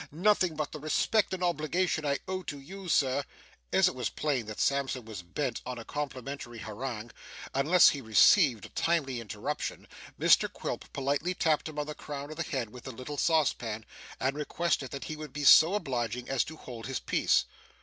Nothing but the respect and obligation I owe to you, sir ' As it was plain that Sampson was bent on a complimentary harangue, unless he received a timely interruption, Mr Quilp politely tapped him on the crown of his head with the little saucepan, and requested that he would be so obliging as to hold his peace.